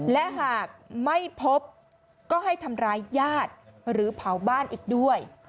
และหากไม่พบก็ให้ทำร้ายญาติหรือเผาบ้านอีกด้วย